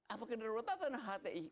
apakah kedaruratan atau hti